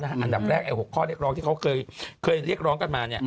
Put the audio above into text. อันดับแรก๖ข้อเรียกร้องที่เขาเคยเรียกร้องกันมา